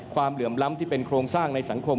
เหลื่อมล้ำที่เป็นโครงสร้างในสังคม